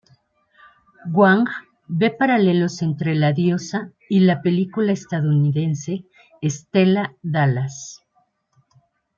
Wang ve paralelos entre "La Diosa" y la película estadounidense "Stella Dallas".